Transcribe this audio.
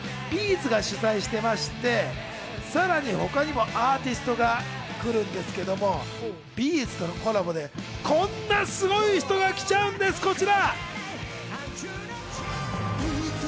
’ｚが主催していまして、さらに他にもアーティストが来るんですけれども、Ｂ’ｚとのコラボで、こんなすごい人が来ちゃうんです、こちら！